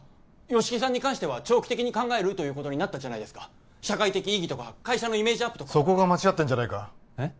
吉木さんに関しては長期的に考えるということになったじゃないですか社会的意義とか会社のイメージアップとかそこが間違ってんじゃないかえっ？